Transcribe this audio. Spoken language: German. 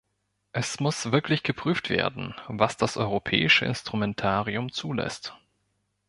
Es muss wirklich geprüft werden, was das europäische Instrumentarium zulässt.